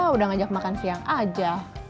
udah ngajak makan siang aja